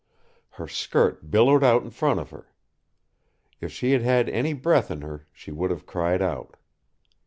Her skirt billowed out in front of her. If she had had any breath in her, she would have cried out.